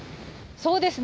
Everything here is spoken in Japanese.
そうですね。